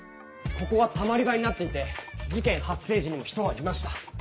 ここはたまり場になっていて事件発生時にも人はいました。